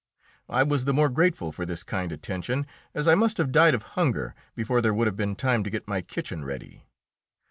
I was the more grateful for this kind attention, as I must have died of hunger before there would have been time to get my kitchen ready.